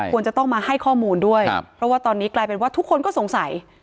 ควรจะต้องมาให้ข้อมูลด้วยเพราะว่าตอนนี้กลายเป็นว่าทุกคนก็สงสัย